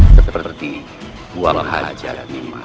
seperti buang hajat